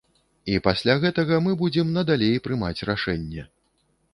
І пасля гэтага мы будзем надалей прымаць рашэнне.